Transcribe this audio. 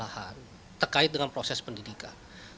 jadi kalau dibilang bahwa ru ini tidak memberikan perlindungan kepada dokter